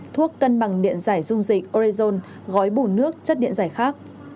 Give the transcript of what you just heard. thuốc cân bằng điện giải dung dịch orezon gói bủ nước chất điện giải khác